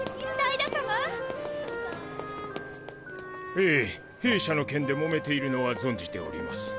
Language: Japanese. ええ兵舎の件でもめているのは存じております。